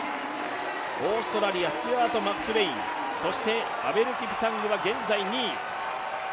オーストラリア、スチュアート・マクスウェイン、そしてアベル・キプサングは現在２位。